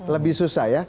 lebih susah ya